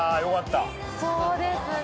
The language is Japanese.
そうですね。